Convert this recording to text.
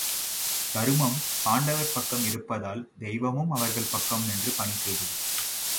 தருமம் பாண்டவர் பக்கம் இருப்பதால் தெய்வமும் அவர்கள் பக்கம் நின்று பணி செய்தது.